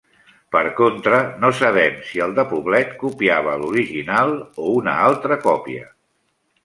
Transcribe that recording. Per contra no sabem si el de Poblet copiava l’original o una altra còpia.